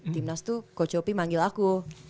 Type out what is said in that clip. timnas tuh coach yopi manggil aku